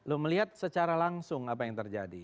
lo melihat secara langsung apa yang terjadi